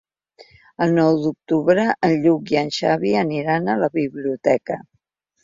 El nou d'octubre en Lluc i en Xavi aniran a la biblioteca.